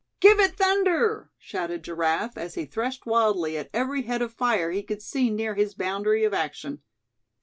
"Give it thunder!" shouted Giraffe, as he threshed wildly at every head of fire he could see near his boundary of action.